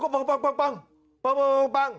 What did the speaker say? ปั๊มปั๊มปั๊มปั๊ม